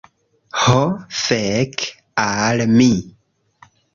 Ho fek' al mi